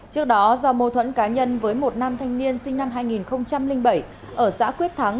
trước đó do mâu thuẫn cá nhân với một nam thanh niên sinh năm hai nghìn bảy ở xã quyết thắng